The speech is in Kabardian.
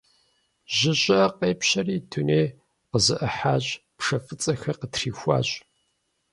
Жьы щӀыӀэ къепщэри, дунейр къызэӀыхьащ, пшэ фӀыцӀэхэр къытрихуащ.